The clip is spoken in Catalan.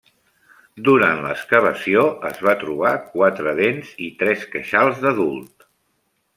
Durant l'excavació es va trobar quatre dents i tres queixals d'adult.